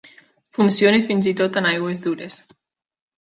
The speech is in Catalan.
Funciona fins i tot en aigües dures.